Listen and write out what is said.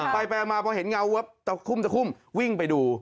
ไปมาเพราะเห็นเงาวิ่งไปดู